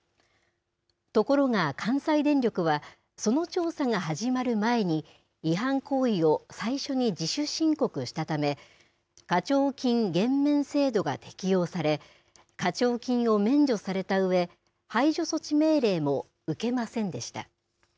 ところが関西電力はその調査が始まる前に違反行為を最初に自主申告したため課徴金減免制度が適用され課徴金を免除されたうえ排除措置命令も受けませんでした。